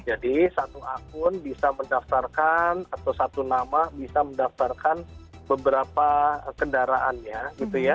jadi satu akun bisa mendaftarkan atau satu nama bisa mendaftarkan beberapa kendaraan ya gitu ya